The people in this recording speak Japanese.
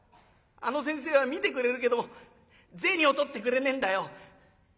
あの先生は診てくれるけども銭を取ってくれねえんだよ。